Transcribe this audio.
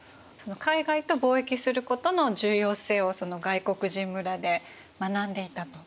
海外と貿易することの重要性をその外国人村で学んでいたと。